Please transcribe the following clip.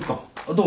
どう？